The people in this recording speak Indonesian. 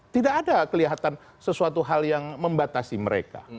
tidak ada kelihatan sesuatu hal yang membatasi mereka